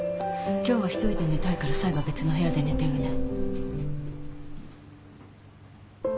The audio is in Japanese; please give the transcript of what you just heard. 今日は１人で寝たいから冴は別の部屋で寝てよね。